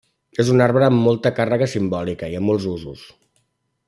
És un arbre amb forta càrrega simbòlica i amb molts usos.